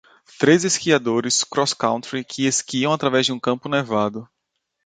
Três esquiadores crosscountry que esquiam através de um campo nevado.